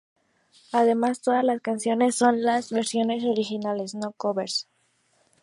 Además, todas las canciones son las versiones originales, no covers.